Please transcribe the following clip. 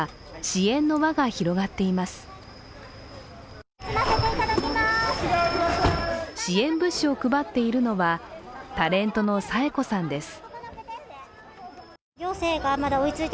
支援物資を配っているのはタレントの紗栄子さんです。